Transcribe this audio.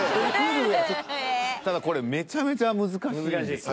ただこれめちゃめちゃ難しいんですよ